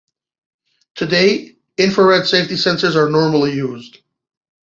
Today, infrared safety sensors are normally used.